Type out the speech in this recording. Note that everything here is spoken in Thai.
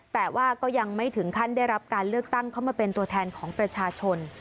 แต่ว่าก็ยังไม่ถึงขั้นได้รับการเลือกตั้งเข้ามาเป็นตัวแทนของประชาชน